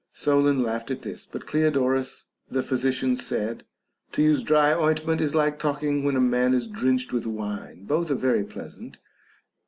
Solon laughed at this ; but Cleodorus the physician said : To use dry ointment is like talking when a man is drenched with wine ; both are very pleasant.